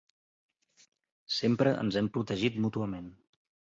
Sempre ens hem protegit mútuament.